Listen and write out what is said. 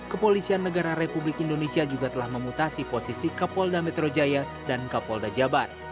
kepolisian negara republik indonesia juga telah memutasi posisi kapolda metro jaya dan kapolda jabat